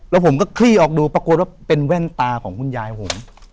แล้วผมก็คลี่ออกดูปรากฏว่าเป็นแว่นตาของคุณยายผม